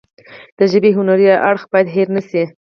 د ژبې هنري اړخ باید هیر نشي.